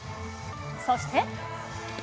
そして。